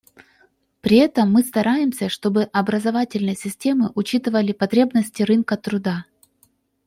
При этом мы стараемся, чтобы образовательные системы учитывали потребности рынка труда.